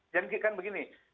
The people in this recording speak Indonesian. jangan dikikan begini